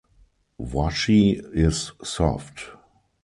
Washi is soft.